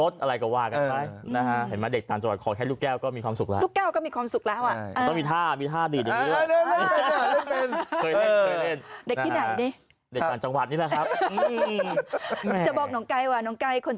ถ้าเด็กในเมืองก็ขอสมาร์ทโฟน